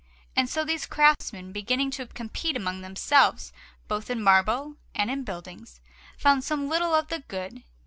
And so these craftsmen, beginning to compete among themselves both in marble and in building, found some little of the good.